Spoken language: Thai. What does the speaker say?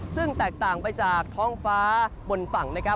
ซึ่งแตกต่างไปจากท้องฟ้าบนฝั่งนะครับ